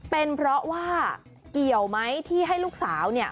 เป็นเพราะว่าเกี่ยวไหมที่ให้ลูกสาว